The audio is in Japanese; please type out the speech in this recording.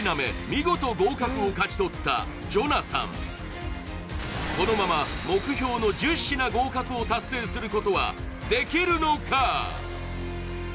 見事合格を勝ち取ったジョナサンこのまま目標の１０品合格を達成することはできるのか！？